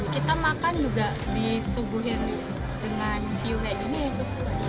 kita makan juga disuguhin dengan view nya ini